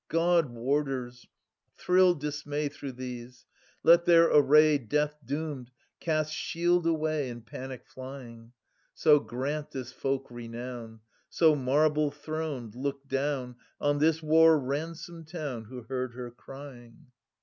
God warders, thrill dismay Through these : let their array Death doomed cast shield away In panic flying. So grant this folk renown ; So, marble throned, look down On this war ransomed town, Who herfrd her crying.